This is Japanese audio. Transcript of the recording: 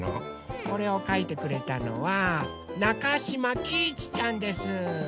これをかいてくれたのはなかしまきいちちゃんです。